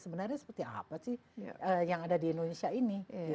sebenarnya seperti apa sih yang ada di indonesia ini